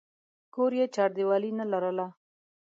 کور یې چاردیوالي نه لرله.